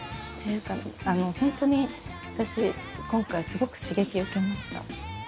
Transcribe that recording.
本当に私今回すごく刺激を受けました。